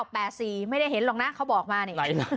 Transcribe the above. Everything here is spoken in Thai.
ไม่ได้เห็นหรอกนะเขาบอกมานี่